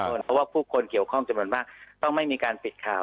เพราะว่าผู้คนเกี่ยวข้องจำนวนมากต้องไม่มีการปิดข่าว